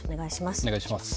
お願いします。